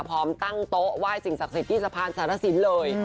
พร้อมตั้งโต๊ะไหว้สิ่งศักดิ์สิทธิ์ที่สะพานสารสินเลย